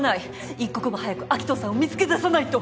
一刻も早く明人さんを見つけ出さないと！